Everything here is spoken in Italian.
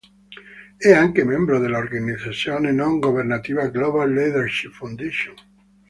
È anche membro della organizzazione non governativa Global Leadership Foundation.